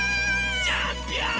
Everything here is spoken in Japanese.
チャンピオン！